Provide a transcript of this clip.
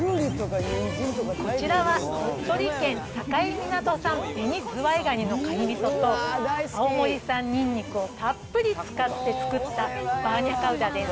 こちらは鳥取県境港産紅ズワイガニのかにみそと、青森産にんにくをたっぷり使って作ったバーニャカウダです。